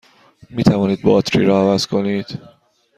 می توانید باتری را عوض کنید؟